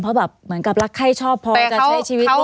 เพราะเหมือนกับรักใครชอบพอจะใช้ชีวิตร่วมกัน